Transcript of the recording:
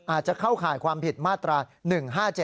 เข้าข่ายความผิดมาตรา๑๕๗